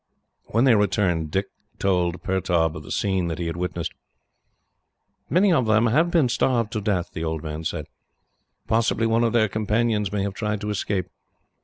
When they returned, Dick told Pertaub of the scene that he had witnessed. "Many of them have been starved to death," the old man said. "Possibly one of their companions may have tried to escape.